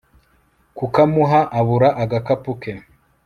kukamuha abura agakapu ke